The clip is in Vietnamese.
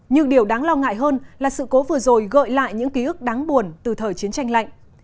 nhưng điều đáng lo ngại hơn là sự cố vừa rồi gợi lại những ký ức đáng buồn từ thời chiến tranh lạnh